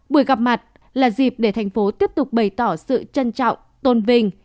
buổi gặp mặt là dịp để thành phố tiếp tục bày tỏ sự trân trọng tôn vinh